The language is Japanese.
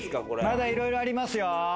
これ・まだいろいろありますよ。